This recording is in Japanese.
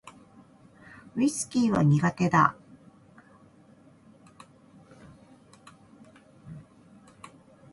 ウィスキーは苦手だ